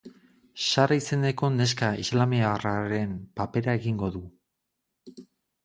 Sara izeneko neska islamiarraren papera egingo du.